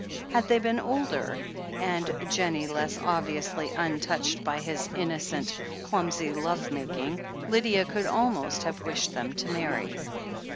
Had they been older, and Jennie less obviously un touched by his innocent, clumsy love making, Lydia could almost have wished them to marry.